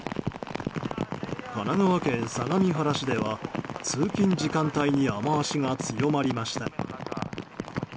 神奈川県相模原市では通勤時間帯に雨脚が強まりました。